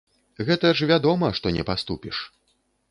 Гэта ж вядома, што не паступіш.